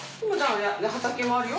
畑もあるよ。